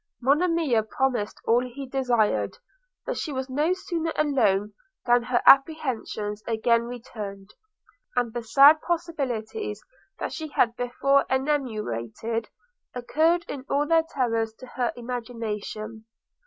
Monimia promised all he desired: but she was no sooner alone than her apprehensions again returned, and the sad possibilities that she had before enumerated recurred in all their terrors to her imagination.